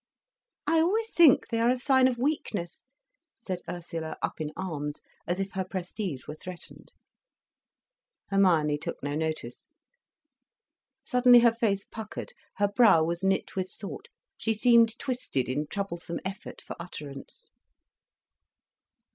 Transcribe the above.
"I always think they are a sign of weakness," said Ursula, up in arms, as if her prestige were threatened. Hermione took no notice. Suddenly her face puckered, her brow was knit with thought, she seemed twisted in troublesome effort for utterance.